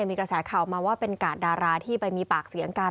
มีกระแสข่าวมาว่าเป็นกาดดาราที่ไปมีปากเสียงกัน